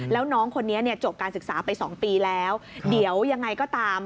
แล้วน้องคนนี้เนี่ยจบการศึกษาไป๒ปีแล้วเดี๋ยวยังไงก็ตาม